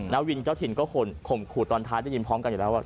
น้องบินเจ้าถิ่นก็ข่มขู่ตอนท้ายเจ๋งพร้อมกันอยู่แล้ว